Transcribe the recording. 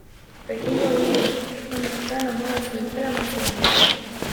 Pekingo olinpiar jokoen ostean amorrazio itzela eman zidan.